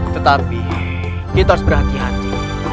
tetapi kita harus berhati hati